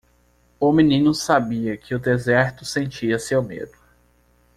O menino sabia que o deserto sentia seu medo.